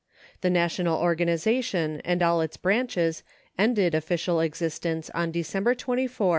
The national organization and all its branches ended official existence on December 24, 1918.